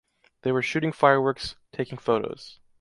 they were shooting fireworks, taking photos